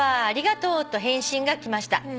ありがとうと返信が来ました」